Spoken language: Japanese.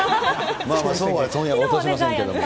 まあまあそうは問屋が卸しませんですけれども。